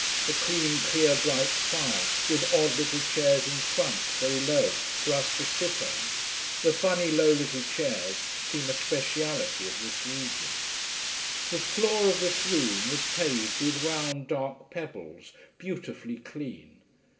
A clean, clear bright fire, with odd little chairs in front, very low, for us to sit on. The funny, low little chairs seem a specialty of this region. The floor of this room was paved with round dark pebbles, beautifully clean.